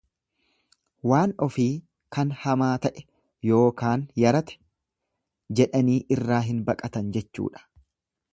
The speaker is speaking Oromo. Waan ofii kan hamaa ta'e yookaan yarate jedhanii irraa hin baqatan jechuudha.